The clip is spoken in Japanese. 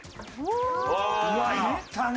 うわいったね。